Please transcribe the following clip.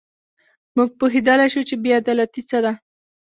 موږ پوهېدلای شو چې بې عدالتي څه ده.